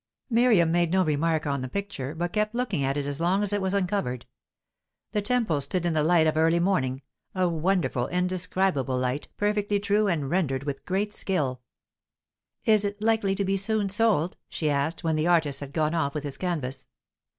Miriam made no remark on the picture, but kept looking at it as long as it was uncovered. The temples stood in the light of early morning, a wonderful, indescribable light, perfectly true and rendered with great skill. "Is it likely to be soon sold?" she asked, when the artist had gone off with his canvas.